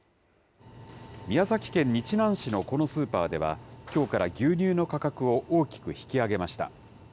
宮崎県日南市のこのスーパーでは、きょうから牛乳の価格を大きく引き上げました。